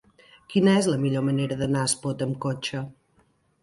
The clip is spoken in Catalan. Quina és la millor manera d'anar a Espot amb cotxe?